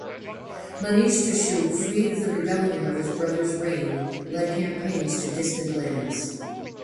Manishtushu, freed of the rebellions of his brother's reign, led campaigns to distant lands.